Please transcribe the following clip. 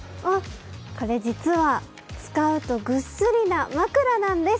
これ、実は使うとぐっすりな枕なんです。